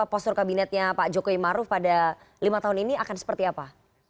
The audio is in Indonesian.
postur kabinetnya pak jokowi maruf pada lima tahun ini akan seperti apa